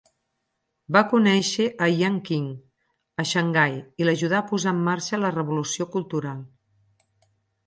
Va conèixer a Jian Qing a Xangai i l'ajudà a posar en marxa la Revolució cultural.